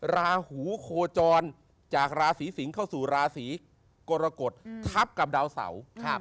ราหูโคจรจากราศีสิงศ์เข้าสู่ราศีกรกฎทับกับดาวเสา